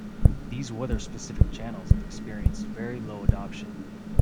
These weather-specific channels have experienced very low adoption.